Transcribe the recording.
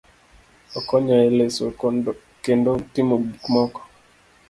okonyo e loso kendo timo gik moko